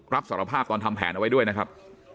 รับสารภาพตอนทำแผนเอาไว้ด้วยนะครับ